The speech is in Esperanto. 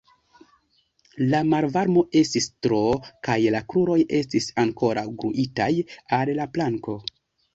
La malvarmo estis tro, kaj la kruroj estis ankoraŭ gluitaj al la planko.